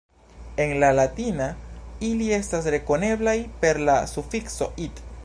En la latina ili estas rekoneblaj per la sufikso "-it".